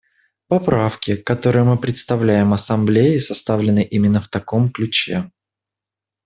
Поправки, которые мы представляем Ассамблее, составлены именно в таком ключе.